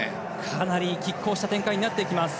かなりきっ抗した展開になっていきます。